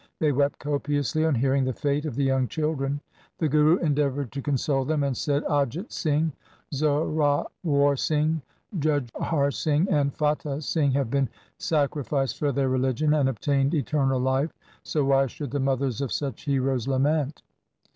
They wept copiously on hearing the fate of the young children. The Guru endeavoured to console them, and said, ' Ajit Singh, Zorawar Singh, Jujhar Singh, and Fatah Singh have been sacrificed for their religion and obtained eternal life, so why should the mothers of such heroes lament